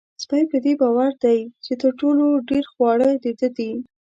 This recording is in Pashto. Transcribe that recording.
سپی په دې باور دی چې تر ټولو ډېر خواړه د ده دي.